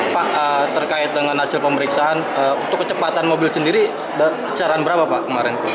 pak terkait dengan hasil pemeriksaan untuk kecepatan mobil sendiri kisaran berapa pak kemarin